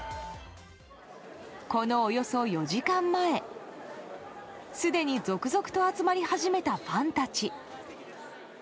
このおよそ４時間前すでに続々と集まり始めたファンたち。